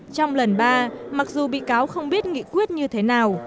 trong lần ba mặc dù bị cáo không biết nghị quyết như thế nào